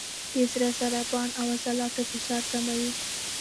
د زړه ضربان او عضلاتو فشار کموي،